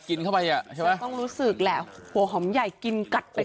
กินเข้าไปอ่ะใช่ไหมต้องรู้สึกแหละหัวหอมใหญ่กินกัดไป